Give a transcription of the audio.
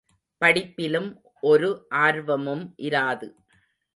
படிப்பிலும் ஒரு ஆர்வமும் இராது.